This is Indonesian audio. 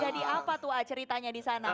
jadi apa tuh a ceritanya di sana